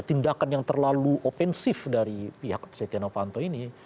tindakan yang terlalu ofensif dari pihak steno fanto ini